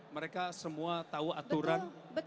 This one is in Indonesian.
mereka semua tahu aturan